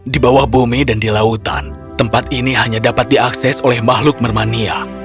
di bawah bumi dan di lautan tempat ini hanya dapat diakses oleh makhluk mermania